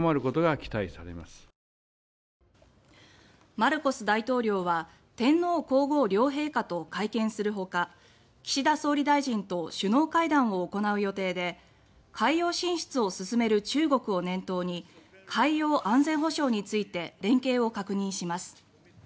マルコス大統領は天皇・皇后両陛下と会見するほか岸田総理大臣と首脳会談を行う予定で海洋進出を進める中国を念頭に海洋安全保障について連携を確認します。